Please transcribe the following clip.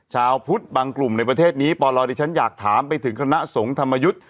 ชาวพุทธบางกลุ่มในประเทศนี้ปลดิฉันอยากถามไปถึงคณะสงฆ์ธรรมยุทธ์